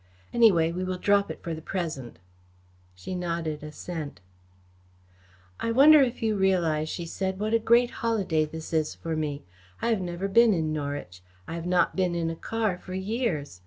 Anyway, we will drop it for the present." She nodded assent. "I wonder if you realise," she said, "what a great holiday this is for me. I have never been in Norwich. I have not been in a car for years.